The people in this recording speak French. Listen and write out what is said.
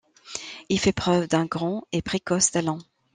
Il fait preuve d'un grand et précoce talent.